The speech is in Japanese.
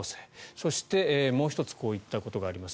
そして、もう１つこういったことがあります。